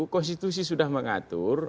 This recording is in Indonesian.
konstitusi sudah mengatur